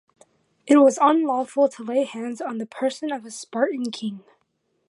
It was unlawful to lay hands on the person of a Spartan king.